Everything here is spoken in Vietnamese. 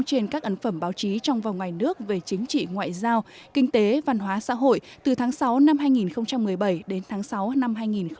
trên các ẩn phẩm báo chí trong và ngoài nước về chính trị ngoại giao kinh tế văn hóa xã hội từ tháng sáu năm hai nghìn một mươi bảy đến tháng sáu năm hai nghìn một mươi tám